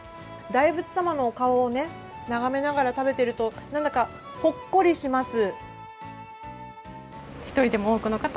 大仏さまのお顔をね眺めながら食べてると何だかほっこりします。